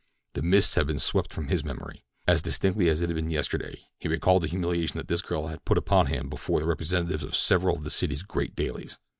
The mists had been swept from his memory. As distinctly as it had been yesterday he recalled the humiliation that this girl had put upon him before the representatives of several of the city's great dailies.